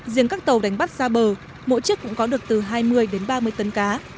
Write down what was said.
riêng các tàu đánh bắt ra bờ mỗi chiếc cũng có được từ hai mươi ba mươi tấn cá